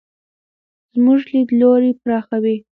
زموږ لیدلوری پراخوي.